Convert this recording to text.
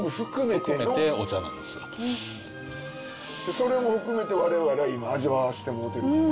それも含めて我々は今味わわしてもうてるみたいな。